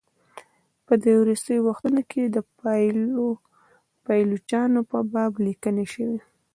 په دې وروستیو وختونو کې د پایلوچانو په باب لیکني شوي.